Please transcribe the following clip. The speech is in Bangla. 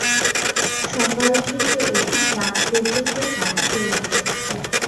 সকাল থেকে অধিক রাত পর্যন্ত হাট চলত।